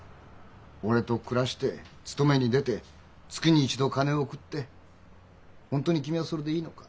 俺と暮らして勤めに出て月に一度金を送って本当に君はそれでいいのか？